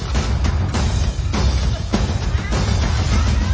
แต่ก็ไม่รู้ว่าจะมีใครอยู่ข้างหลัง